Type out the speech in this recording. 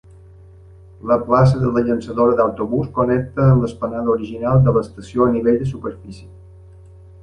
La plaça de la llançadora d'autobús connecta amb l'explanada original de l'estació a nivell de superfície.